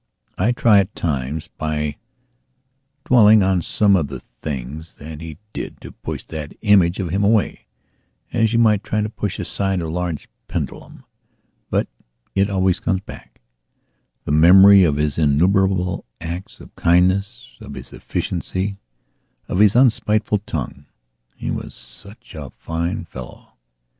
I try at times by dwelling on some of the things that he did to push that image of him away, as you might try to push aside a large pendulum. But it always comes backthe memory of his innumerable acts of kindness, of his efficiency, of his unspiteful tongue. He was such a fine fellow.